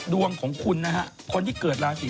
ดวงของคุณนะฮะคนที่เกิดราศี